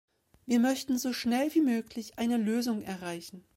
Wir möchten so schnell wie möglich eine Lösung erreichen.